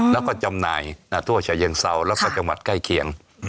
แล้วก็จำหน่ายทั่วฉะเชิงเซาแล้วก็จังหวัดใกล้เคียง